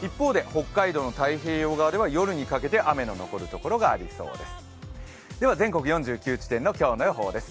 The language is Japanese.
北海道の太平洋側では夜にかけて雨の残るところがありそうです。